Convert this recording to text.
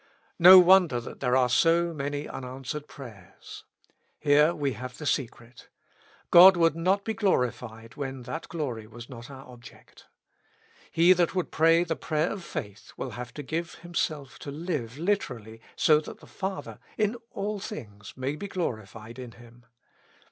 No wonder that there are so many unanswered prayers : here we have the secret. God would not be glorified when that glory was not our object. He that would pray the prayer of faith, will have to give himself to live literally so that the Father in all things may be glorified in him.